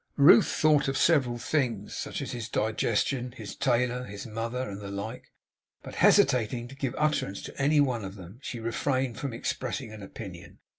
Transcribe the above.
Ruth thought of several things; such as his digestion, his tailor, his mother, and the like. But hesitating to give utterance to any one of them, she refrained from expressing an opinion.